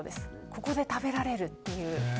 ここで食べられるという。